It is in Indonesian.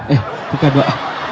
eh bukan dua